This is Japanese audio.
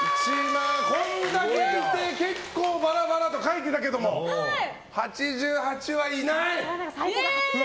これだけいて結構バラバラと書いてたけども８８はいない！